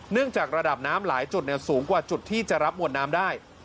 จากระดับน้ำหลายจุดสูงกว่าจุดที่จะรับมวลน้ำได้